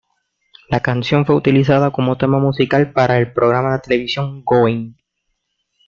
La canción fue utilizada como tema musical para el programa de televisión, "Going!